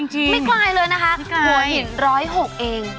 จริงไม่ไกลเลยนะคะหัวหิน๑๐๖เองไม่ไกล